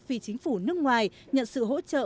vì chính phủ nước ngoài nhận sự hỗ trợ